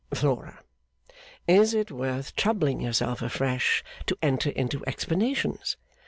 'Flora, is it worth troubling yourself afresh to enter into explanations?